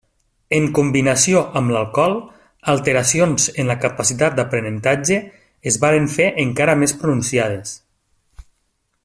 En combinació amb l'alcohol, alteracions en la capacitat d'aprenentatge es varen fer encara més pronunciades.